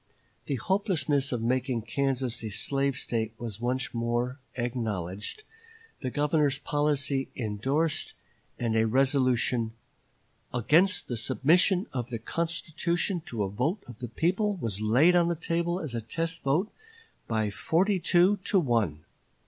The hopelessness of making Kansas a slave State was once more acknowledged, the Governor's policy indorsed, and a resolution "against the submission of the constitution to a vote of the people was laid on the table as a test vote by forty two to one."